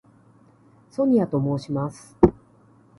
ソニアと申します。